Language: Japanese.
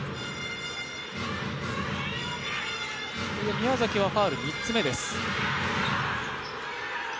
宮崎はファウル３つ目です。